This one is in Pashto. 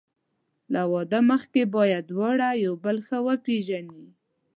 له واده مخکې باید دواړه یو بل ښه وپېژني.